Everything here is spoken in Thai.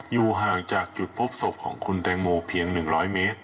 อยู่ห่างจากจุดพบศพของคุณแตงโมเพียง๑๐๐เมตร